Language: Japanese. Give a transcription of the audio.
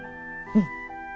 うん。